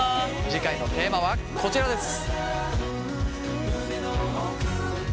次回のテーマはこちらです！